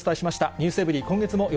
ｎｅｗｓｅｖｅｒｙ．今月もよ